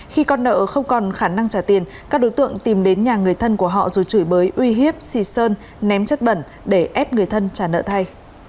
khi con nợ không còn khả năng trả tiền các đối tượng tìm đến nhà người thân của họ rồi chửi bới uy hiếp xì sơn ném chất bẩn để ép người thân trả nợ thay